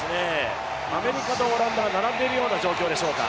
アメリカとオランダが並んでいるような状況でしょうか。